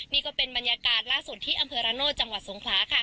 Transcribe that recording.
นี่ก็เป็นบรรยากาศล่าสุดที่อำเภอระโนธจังหวัดสงขลาค่ะ